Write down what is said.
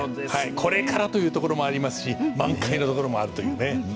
これからというところもありますし満開のところもあるというね。